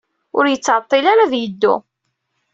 Ur yettɛeḍḍil ara ad yeddu.